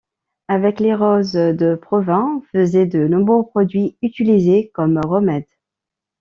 Avec les roses de Provins, on faisait de nombreux produits utilisés comme remèdes.